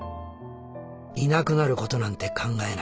いなくなることなんて考えない。